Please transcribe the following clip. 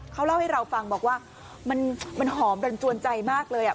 เขาเล่าให้เราฟังบอกว่ามันหอมรันจวนใจมากเลย